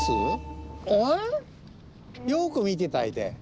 よく見て頂いて。